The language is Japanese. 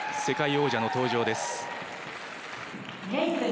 世界王者の登場です。